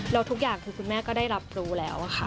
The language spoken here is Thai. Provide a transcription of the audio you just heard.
แล้วทุกอย่างคือคุณแม่ก็ได้รับรู้แล้วค่ะ